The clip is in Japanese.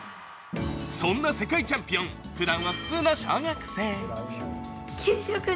そんな世界チャンピオン、ふだんは普通の小学生。